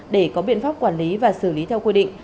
để có biện pháp quản lý và xử lý theo quy định